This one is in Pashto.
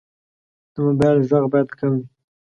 د موبایل غږ باید کم وي.